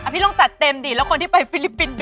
พี่น้องกันไม่ได้คิดอะไรหรอก